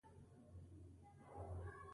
پښتو ژبه د ښې اړیکې او تفاهم لپاره مرسته کوي.